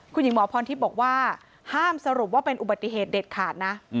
คุณหญิงหมอพรทิพย์บอกว่าห้ามสรุปว่าเป็นอุบัติเหตุเด็ดขาดนะ